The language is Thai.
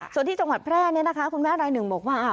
ส่วนที่จังหวัดแพร่เนี่ยนะคะคุณแม่รายหนึ่งบอกว่า